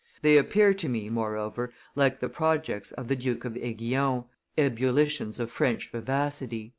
They appear to me, moreover, like the projects of the Duke of Aiguillon, ebullitions of French vivacity."